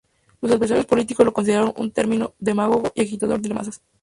Sus adversarios políticos lo consideraron un temido demagogo y agitador de masas.